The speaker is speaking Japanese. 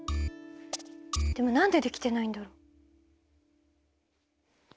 でも何でできてないんだろう。